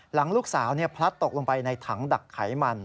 หลังลูกสาวพลัดตกลงไปในถังดักไขมัน